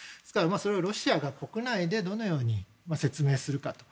それをロシアが国内でどのように説明するかと。